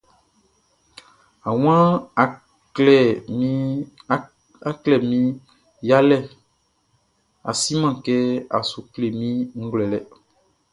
A wan, a klɛ mi yalɛ, a si man kɛ, a sou klɛ mi nʼglouɛlɛ.